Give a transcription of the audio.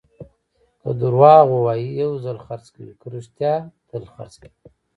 که دروغ ووایې، یو ځل خرڅ کوې؛ که رښتیا، تل خرڅ کوې.